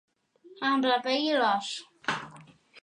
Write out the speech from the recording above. Amb la pell i l'os.